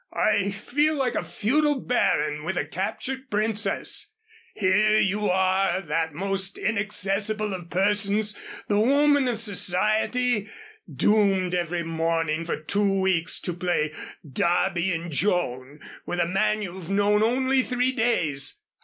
"I feel like a feudal baron with a captured princess. Here are you, that most inaccessible of persons, the Woman of Society, doomed every morning for two weeks to play Darby and Joan with a man you've known only three days.